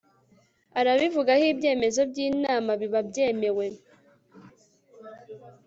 arabivugaho ibyemezo by inama biba byemewe